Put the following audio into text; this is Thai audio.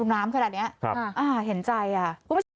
น้ำขนาดนี้เห็นใจอ่ะ